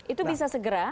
itu bisa segera